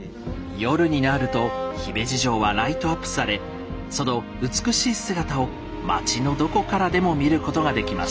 夜になると姫路城はライトアップされその美しい姿を町のどこからでも見ることができます。